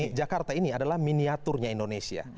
dan jakarta ini adalah miniaturnya indonesia